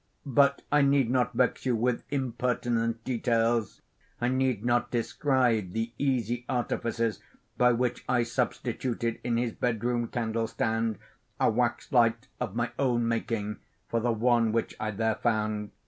But I need not vex you with impertinent details. I need not describe the easy artifices by which I substituted, in his bed room candle stand, a wax light of my own making for the one which I there found.